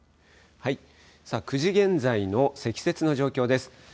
９時現在の積雪の状況です。